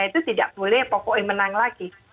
itu tidak boleh pokoknya menang lagi